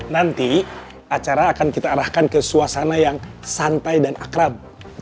nanti acara akan kita arahkan ke suasana yang santai dan akrab